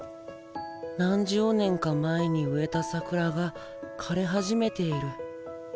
何十年か前に植えた桜が枯れ始めている。